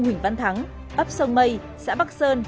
huỳnh văn thắng ấp sông mây xã bắc sơn